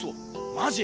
マジ？